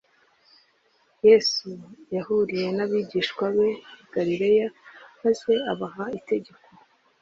yesu yahuriye n abigishwa be i galilaya maze abaha itegeko